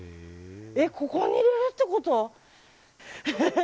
ここに入れるってこと？